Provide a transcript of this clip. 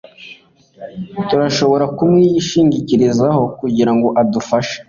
Turashobora kumwishingikirizaho kugirango adufashe